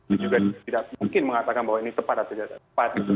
dan juga tidak mungkin mengatakan bahwa ini tepat atau tidak tepat gitu